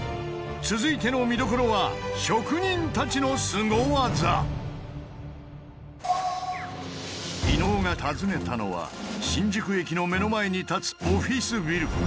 続いての見どころは伊野尾が訪ねたのは新宿駅の目の前に立つオフィスビル。